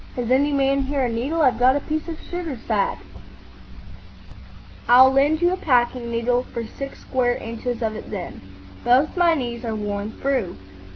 Has any man here a needle? I've got a piece of sugar sack." "I'll lend you a packing needle for six square inches of it then. Both my knees are worn through."